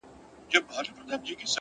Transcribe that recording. د زړه روڼتیا باور پیاوړی کوي!